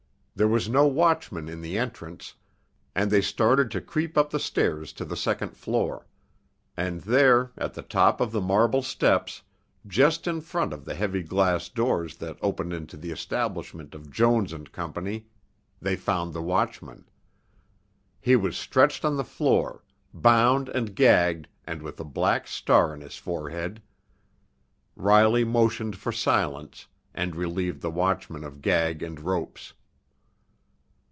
There was no watchman in the entrance, and they started to creep up the stairs to the second floor. And there, at the top of the marble steps, just in front of the heavy glass doors that opened into the establishment of Jones & Co., they found the watchman. He was stretched on the floor, bound and gagged and with a black star on his forehead. Riley motioned for silence, and relieved the watchman of gag and ropes.